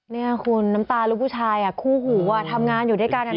นี่คุณน้ำตาลูกผู้ชายคู่หูทำงานอยู่ด้วยกัน